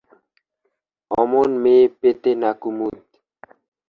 অমন মেয়ে পেতে না কুমুদ।